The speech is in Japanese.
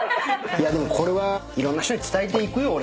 いやでもこれはいろんな人に伝えていくよ俺は。